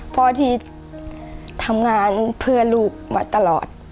พ่อที่ทำงานเพื่อลูกมาตลอด